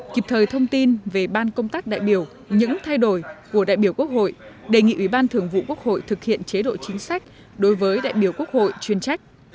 kịp thời thông tin về ban công tác đại biểu những thay đổi của đại biểu quốc hội đề nghị ủy ban thường vụ quốc hội thực hiện chế độ chính sách đối với đại biểu quốc hội chuyên trách